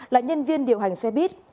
là nhân viên điều hành xe bus